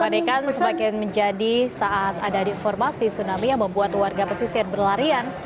kepanikan semakin menjadi saat ada informasi tsunami yang membuat warga pesisir berlarian